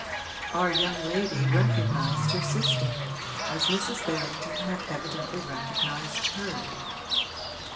Our young lady recognised her sister, as Mrs. Berrington had evidently recognised her.